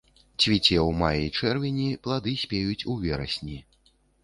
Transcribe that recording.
Цвіце ў маі-чэрвені, плады спеюць у верасні.